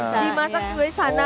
kalau masak di sana